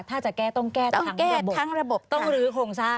ถ้าจะแก้ต้องแก้ต้องแก้ทั้งระบบต้องลื้อโครงสร้าง